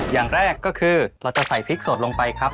อย่างแรกก็คือเราจะใส่พริกสดลงไปครับ